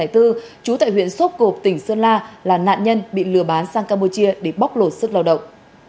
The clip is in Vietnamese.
trú tại huyện sốp cộp tỉnh sơn la là nạn nhân bị lừa bán sang campuchia để bóc lột sức lao động